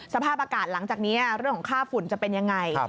สภาพอากาศหลังจากนี้เรื่องของค่าฝุ่นจะเป็นยังไง